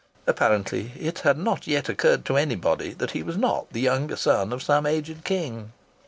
Apparently it had not yet occurred to anybody that he was not the younger son of some aged king.